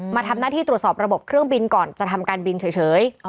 มาทำหน้าที่ตรวจสอบระบบเครื่องบินก่อนจะทำการบินเฉย